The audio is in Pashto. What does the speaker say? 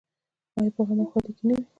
آیا په غم او ښادۍ کې نه وي؟